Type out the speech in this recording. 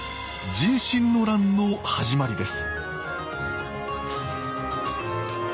壬申の乱の始まりです